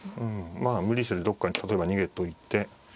まあ無理せずどっかに例えば逃げといて。